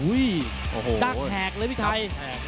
ดั้งแหกเลยพี่ชัย